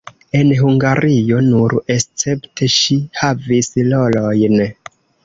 En Hungario nur escepte ŝi havis rolojn.